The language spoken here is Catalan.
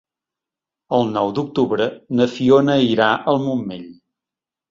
El nou d'octubre na Fiona irà al Montmell.